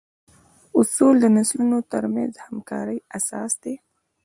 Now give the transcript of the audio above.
اصول د نسلونو تر منځ د همکارۍ اساس دي.